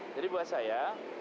jadi buat saya